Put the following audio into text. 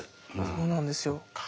そうなんですよ。